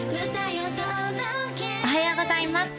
おはようございます